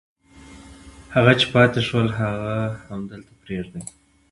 هغه چې پاتې شول هغه همدلته پرېږدي.